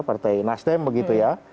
partai nasdem begitu ya